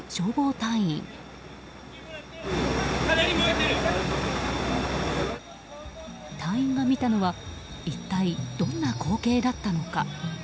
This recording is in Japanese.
隊員が見たのは一体どんな光景だったのか。